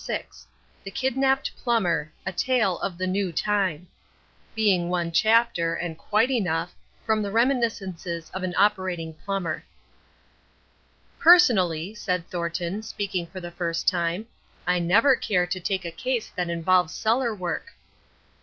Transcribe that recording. VI THE KIDNAPPED PLUMBER A TALE OF THE NEW TIME (Being one chapter and quite enough from the Reminiscences of an Operating Plumber) VI. The Kidnapped Plumber: A Tale of the New Time. "Personally," said Thornton, speaking for the first time, "I never care to take a case that involves cellar work."